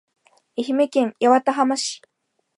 愛媛県八幡浜市